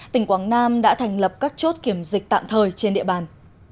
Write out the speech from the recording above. tỉnh quảng nam đã thành lập các chốt kiểm dịch tạm thời trên địa bàn